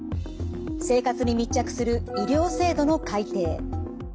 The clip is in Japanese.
生活に密着する医療制度の改定。